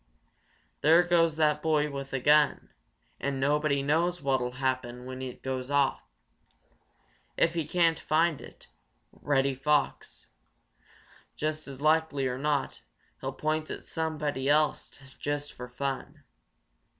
"There goes that boy with a gun, and nobody knows what'll happen when it goes off. If he can't find Reddy Fox, just as likely as not he'll point it at somebody else just fo' fun.